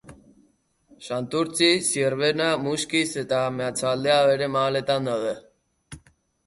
Santurtzi, Zierbena, Muskiz eta Meatzaldea bere magaletan daude.